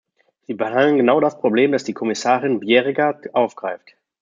Sie behandeln genau das Problem, das die Kommissarin Bjerregaard aufgreift.